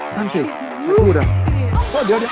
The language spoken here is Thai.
นั่นสิใครพูดอ่ะโอ้ยเหรอโอ้ยเยี่ยม